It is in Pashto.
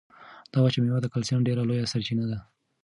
دا وچه مېوه د کلسیم ډېره لویه سرچینه ده.